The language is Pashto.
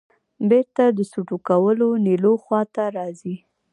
بېرته د سوټو کولونیلو خواته راځې.